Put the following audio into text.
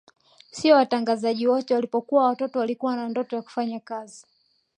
Sio watangazaji wote walipokuwa watoto walikuwa na ndoto ya kufanya kazi